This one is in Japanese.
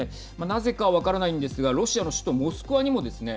なぜか分からないんですがロシアの首都モスクワにもですね